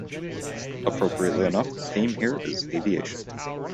Appropriately enough, the theme here is "aviation".